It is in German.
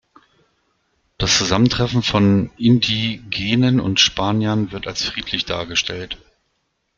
Das Zusammentreffen von Indigenen und Spaniern wird als friedlich dargestellt.